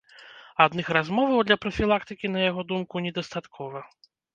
Адных размоваў для прафілактыкі, на яго думку, недастаткова.